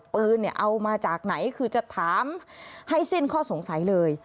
ปืนเอามาจากไหนคือจะถามให้สิ้นข้อสงสัยเลย